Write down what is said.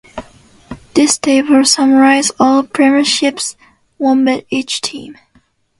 This table summarises all premierships won by each team.